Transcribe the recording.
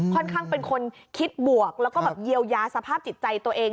ค่อนข้างเป็นคนคิดบวกแล้วก็เยียวยาสภาพจิตใจตัวเอง